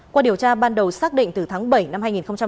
qua điều tra ban đầu xác định từ tháng bảy năm hai nghìn một mươi bảy